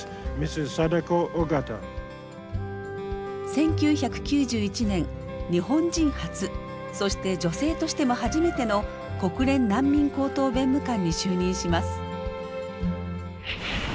１９９１年日本人初そして女性としても初めての国連難民高等弁務官に就任します。